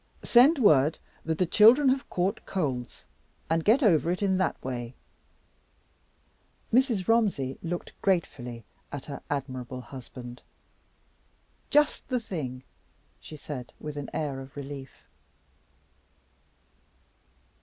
"Send word that the children have caught colds, and get over it in that way." Mrs. Romsey looked gratefully at her admirable husband. "Just the thing!" she said, with an air of relief.